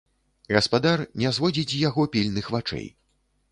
Гаспадар не зводзіць з яго пільных вачэй.